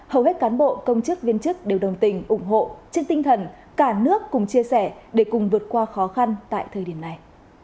hầu hết cán bộ công chức viên chức đều đồng tình ủng hộ trên tinh thần cả nước cùng chia sẻ để cùng vượt qua khó khăn tại thời điểm này